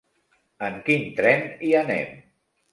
En quin tren hi anem?